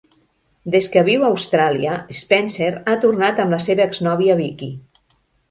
Des que viu a Austràlia, Spencer ha tornat amb la seva exnòvia Vicki.